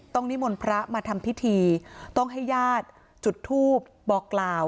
นิมนต์พระมาทำพิธีต้องให้ญาติจุดทูปบอกกล่าว